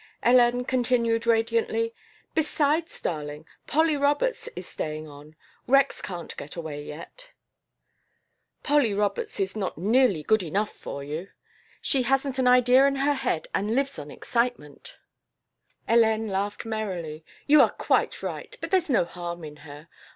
Hélène continued radiantly: "Besides, darling, Polly Roberts is staying on. Rex can't get away yet." "Polly Roberts is not nearly good enough for you. She hasn't an idea in her head and lives on excitement " Hélène laughed merrily. "You are quite right, but there's no harm in her.